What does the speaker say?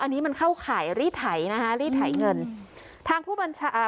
อันนี้มันเข้าข่ายรีดไถนะฮะรีดไถเงินทางผู้บัญชาการอ่า